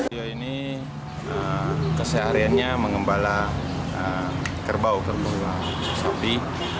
dia ini kesehariannya mengembala kerbau kerbau sabi